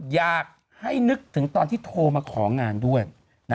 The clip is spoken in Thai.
อยากให้นึกถึงตอนที่โทรมาของานด้วย